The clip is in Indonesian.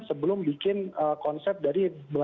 sebelum bikin konsep dari